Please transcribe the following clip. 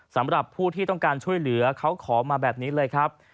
สำหรับผู้ที่ต้องการช่วยเหลือเขาขอมาแบบนี้เลยครับ